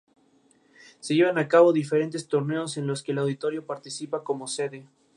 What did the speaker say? Los dos mejores equipos de cada zona avanzan de fase.